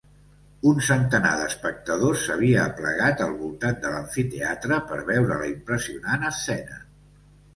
Un centenar d'espectadors s'havia aplegat al voltant de l'amfiteatre per veure la impressionant escena.